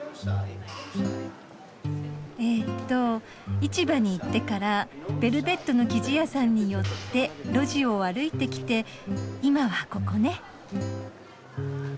えっと市場に行ってからベルベットの生地屋さんに寄って路地を歩いてきて今はここね。